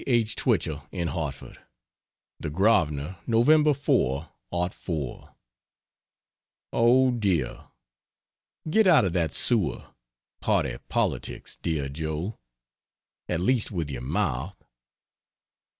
H. Twichell, in Hartford: THE GROSVENOR, Nov. 4, '04. Oh, dear! get out of that sewer party politics dear Joe. At least with your mouth.